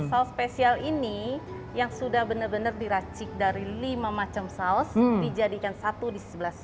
saus spesial ini yang sudah benar benar diracik dari lima macam saus dijadikan satu di sebelah sini